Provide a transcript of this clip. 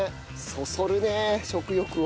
そそるねえ食欲を。